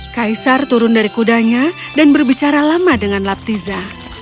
kaisar turun dari kudanya dan berbicara lama dengan laptiza